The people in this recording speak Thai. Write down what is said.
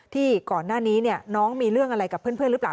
ที่ก่อนหน้านี้น้องมีเรื่องอะไรกับเพื่อนหรือเปล่า